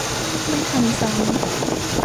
ไม่ทำซ้ำ